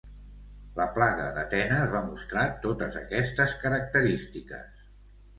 La plaga d'Atenes va mostrar totes aquestes característiques.